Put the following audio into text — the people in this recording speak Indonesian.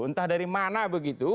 entah dari mana begitu